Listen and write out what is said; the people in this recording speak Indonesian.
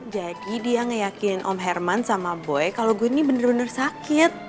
jadi dia ngeyakin om herman sama boy kalo gue ini bener bener sakit